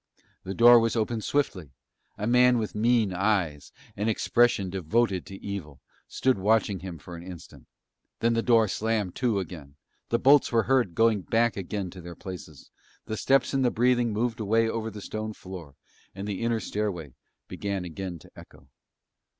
The door was opened swiftly; a man with mean eyes, and expression devoted to evil, stood watching him for an instant; then the door slammed to again, the bolts were heard going back again to their places, the steps and the breathing moved away over the stone floor, and the inner stairway began again to echo.